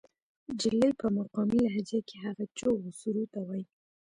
جلۍ پۀ مقامي لهجه کښې هغه چغو او سُورو ته وائي